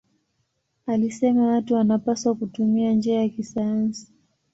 Alisema watu wanapaswa kutumia njia ya kisayansi.